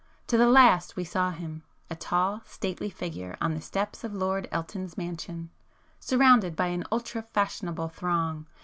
To the last we saw him,—a tall stately figure on the steps of Lord Elton's mansion,—surrounded by an ultra fashionable throng